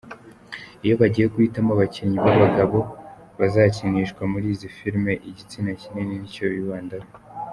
Iyo bagiye guhitamo abakinnyi b’abagabo bazakinishwa muri izi filimi, igitsina kinini nicyo bibandaho.